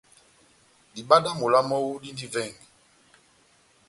Diba dá mola mɔ́wu dindi vɛngɛ.